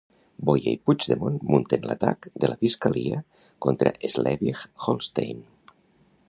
Boye i Puigdemont munten l'atac de la fiscalia contra Slesvig-Holstein.